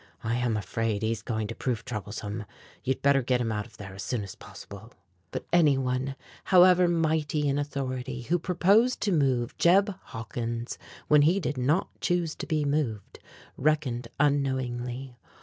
I am afraid he's going to prove troublesome. You'd better get him out of there as soon as possible." But anyone, however mighty in authority, who proposed to move Jeb Hawkins when he did not choose to be moved reckoned unknowingly.